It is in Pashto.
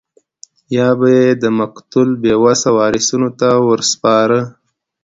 یا به یې د مقتول بې وسه وارثینو ته ورسپاره.